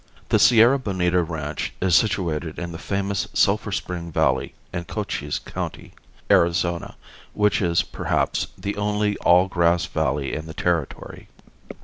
The Sierra Bonita ranch is situated in the famous Sulphur Spring valley in Cochise County, Arizona, which is, perhaps, the only all grass valley in the Territory.